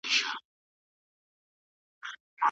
پیغمبر وفرمایل چي زه د ذمي حق ادا کوم.